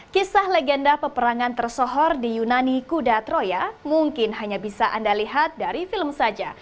kisah legenda peperangan tersohor di yunani kuda troya mungkin hanya bisa anda lihat dari film saja